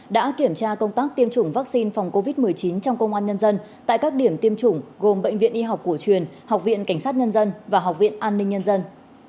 đã kiểm tra công tác tiêm chủng vaccine phòng covid một mươi chín trong công an nhân dân tại các điểm tiêm chủng gồm bệnh viện y học cổ truyền học viện cảnh sát nhân dân và học viện an ninh nhân dân